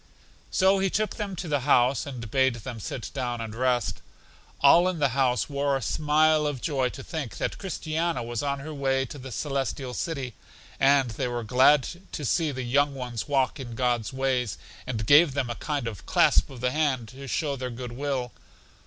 So he took them to the house, and bade them sit down and rest. All in the house wore a smile of joy to think that Christiana was on her way to The Celestial City, and they were glad to see the young ones walk in God's ways, and gave them a kind of clasp of the hand to show their good will.